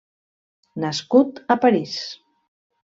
Nascut a París.